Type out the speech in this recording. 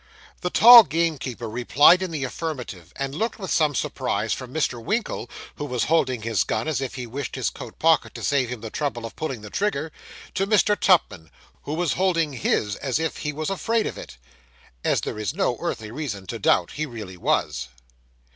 The tall gamekeeper replied in the affirmative, and looked with some surprise from Mr. Winkle, who was holding his gun as if he wished his coat pocket to save him the trouble of pulling the trigger, to Mr. Tupman, who was holding his as if he was afraid of it as there is no earthly reason to doubt he really was.